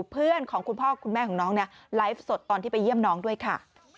เพื่อนของคุณพ่อคุณแม่ของน้องเนี่ยไลฟ์สดตอนที่ไปเยี่ยมน้องด้วยค่ะ